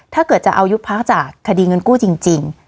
ถ้าเกิดจะเอายุบพักจากคดีเงินกู้จริง